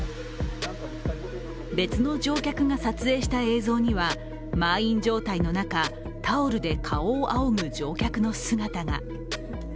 別の乗客が撮影した映像には満員状態の中、タオルで顔をあおぐ乗客の姿が。